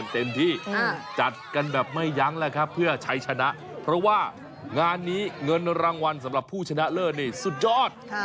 เต็มที่จัดกันแบบไม่ยั้งแล้วครับเพื่อใช้ชนะเพราะว่างานนี้เงินรางวัลสำหรับผู้ชนะเลิศนี่สุดยอด